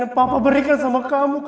yang papa berikan sama kamu